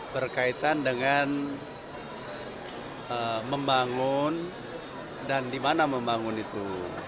berkaitan dengan membangun dan di mana membangun itu